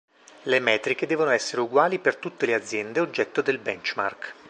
Le metriche devono essere uguali per tutte le aziende oggetto del "benchmark".